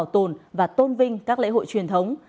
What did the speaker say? chúng ta phải bảo tồn và tôn vinh các lễ hội truyền thống